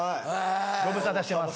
ご無沙汰してます。